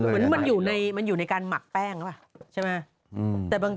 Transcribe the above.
เหมือนมันอยู่ในการหมักแป้งใช่ไหม